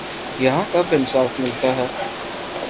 یہاں کب انصاف ملتا ہے